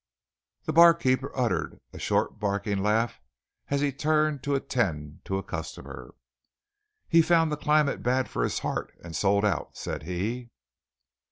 The barkeeper uttered a short barking laugh as he turned to attend to a customer. "He found the climate bad for his heart and sold out!" said he.